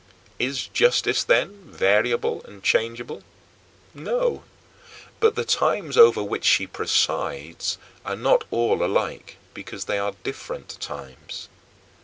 Is justice, then, variable and changeable? No, but the times over which she presides are not all alike because they are different times.